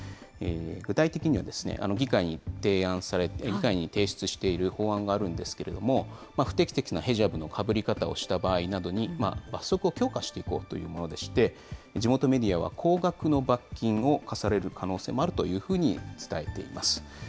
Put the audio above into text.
具体的には、議会に提出している法案があるんですけれども、不適切なヘジャブのかぶり方をした場合などに、罰則を強化していこうというものでして、地元メディアは高額の罰金を科される可能性もあるというふうに伝えています。